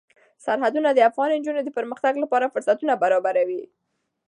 سرحدونه د افغان نجونو د پرمختګ لپاره فرصتونه برابروي.